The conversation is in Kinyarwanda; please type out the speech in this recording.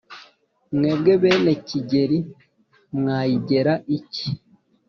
Mwebwe bene Kigeli mwayigera iki?"